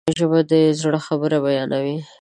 ژبه د زړه خبر بیانوي